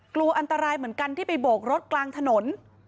กลัวอันตรายเหมือนกันที่ไปโบกรถกลางถนน